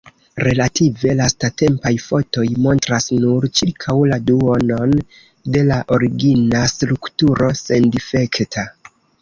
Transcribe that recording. Relative lastatempaj fotoj montras nur ĉirkaŭ la duonon de la origina strukturo sendifekta.